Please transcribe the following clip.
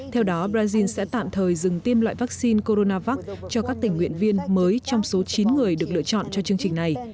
theo đó brazil sẽ tạm thời dừng tiêm loại vaccine coronavac cho các tình nguyện viên mới trong số chín người được lựa chọn cho chương trình này